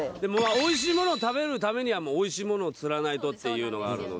おいしいものを食べるためにはおいしいものを釣らないとっていうのがあるので。